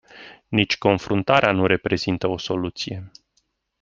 Nici confruntarea nu reprezintă o soluție.